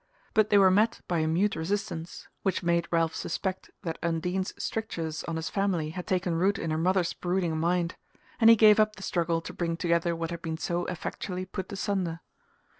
But they were met by a mute resistance which made Ralph suspect that Undine's strictures on his family had taken root in her mother's brooding mind; and he gave up the struggle to bring together what had been so effectually put asunder.